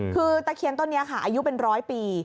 คือตะเคียนต้นนี้ค่ะอายุเป็นร้อยปี